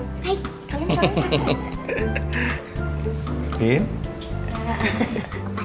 hai kalian apa